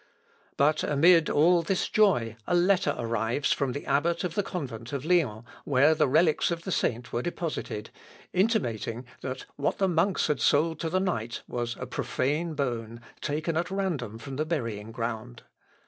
But amid all this joy, a letter arrives from the abbot of the convent of Lyon, where the relics of the saint were deposited, intimating that what the monks had sold to the knight was a profane bone taken at random from the burying ground.